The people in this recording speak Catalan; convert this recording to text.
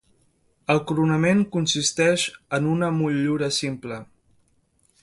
El coronament consisteix en una motllura simple.